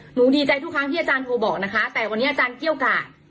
ดีใจทุกครั้งที่อาจารย์โทรบอกนะคะแต่วันนี้อาจารย์เกี้ยวกาด